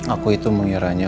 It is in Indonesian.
aku itu mengiranya